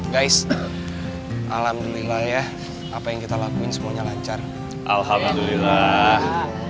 guys alhamdulillah ya apa yang kita lakuin semuanya lancar alhamdulillah